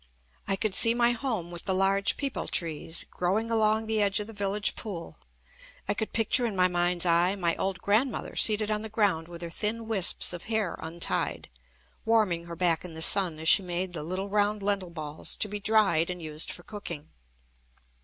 I could see my home with the large peepul trees growing along the edge of the village pool. I could picture in my mind's eye my old grandmother seated on the ground with her thin wisps of hair untied, warming her back in the sun as she made the little round lentil balls to be dried and used for cooking.